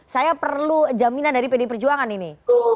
saya perlu jaminan dari pdi perjuangan ini